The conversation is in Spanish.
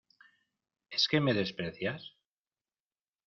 ¿ es que me desprecias?